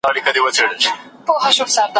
ورته جوړ به د قامونو انجمن سي